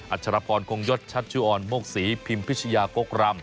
อัชรพรคงยดชัชวอนมกศีพิมพิชยากกรำ